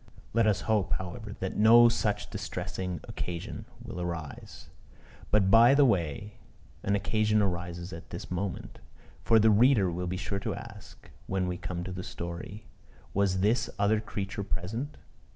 Let us hope, however, that no such distressing occasion will arise. But, by the way, an occasion arises at this moment; for the reader will be sure to ask, when we come to the story, "Was this other creature present?"